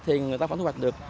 thì người ta phải làm